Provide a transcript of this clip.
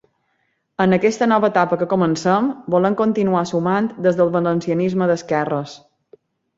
En aquesta nova etapa que comencem, volem continuar sumant des del valencianisme d’esquerres.